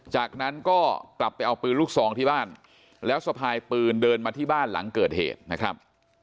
จากนั้นก็กลับไปเอาปืนลูกซองที่บ้านแล้วสะพายปืนเดินมาที่บ้านหลังเกิดเหตุนะครับ